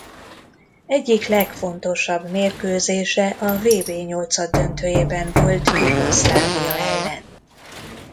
Egyik legfontosabb mérkőzése a vb nyolcaddöntőjében volt Jugoszlávia ellen.